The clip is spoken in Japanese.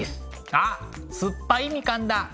あっ酸っぱいみかんだ。